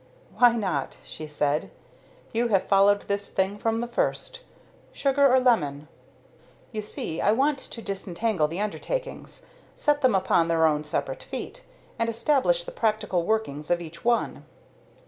"Why not?" she said. "You have followed this thing from the first. Sugar or lemon? You see I want to disentangle the undertakings, set them upon their own separate feet, and establish the practical working of each one."